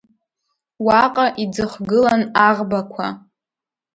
Уаҟа иӡыхгылан аӷбақәа…